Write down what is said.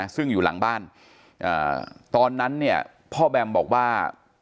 ซึ่งอยู่หลังบ้านตอนนั้นเนี่ยพ่อแบมบอกว่า